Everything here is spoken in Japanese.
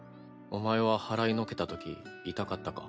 お前は払いのけたとき痛かったか？